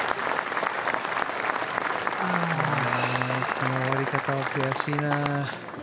この終わり方は悔しいな。